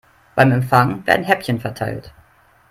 Beim Empfang werden Häppchen verteilt.